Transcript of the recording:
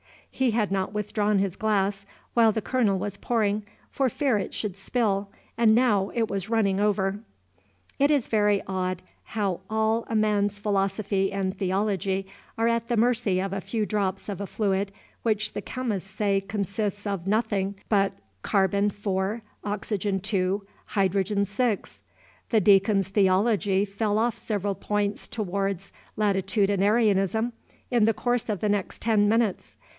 He had not withdrawn his glass, while the Colonel was pouring, for fear it should spill, and now it was running over. It is very odd how all a man's philosophy and theology are at the mercy of a few drops of a fluid which the chemists say consists of nothing but C4, O2, H6. The Deacon's theology fell off several points towards latitudinarianism in the course of the next ten minutes.